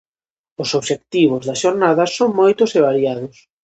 Os obxectivos da xornada son moitos e variados.